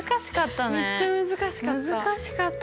めっちゃ難しかった。